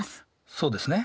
そうですね。